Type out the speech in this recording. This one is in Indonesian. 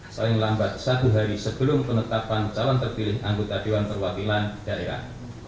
paling lambat satu hari sebelum penetapan calon terpilih anggota dewan perwakilan daerah